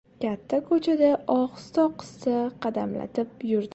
Katta ko‘chada ohista-ohista qadamlatib yurdim.